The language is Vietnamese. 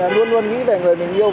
luôn luôn nghĩ về người mình yêu